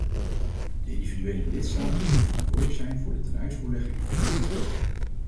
De individuele lidstaten zullen verantwoordelijk zijn voor de tenuitvoerlegging van dit beleid.